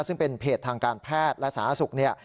ซึ่งเป็นเพจทางการแพทย์และสาธารณสุขเนี่ย